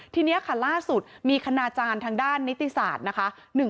ทีนี้ค่ะล่าสุดมีคณาจารย์ทางด้านนิติศาสตร์นะคะ